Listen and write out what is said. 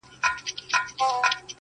د مور ملوکي سرې دي نوکي!